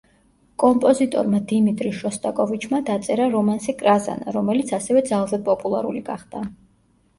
კომპოზიტორმა დიმიტრი შოსტაკოვიჩმა დაწერა რომანსი „კრაზანა“, რომელიც ასევე ძალზედ პოპულარული გახდა.